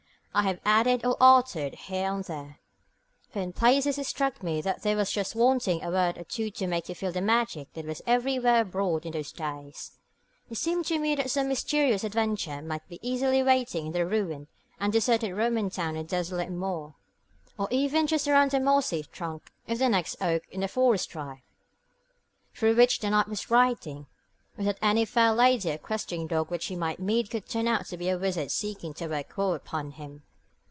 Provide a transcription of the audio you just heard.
I have added or altered here and there, for in places it struck me that there was just wanting a word or two to make you feel the magic that was everywhere abroad in those days. It seemed to me that some mysterious adventure might easily be waiting in the ruined and deserted Roman town on the desolate moor, or even just round the mossy trunk of the next oak in the forest drive, through which the knight was riding; or that any fair lady or questing dog which he might meet could turn out to be a wizard seeking to work woe upon him.